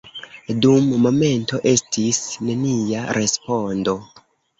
Dum momento estis nenia respondo.